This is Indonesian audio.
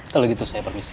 kalau gitu saya permisi